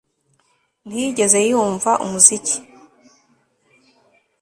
Ntiyigeze yumva umuziki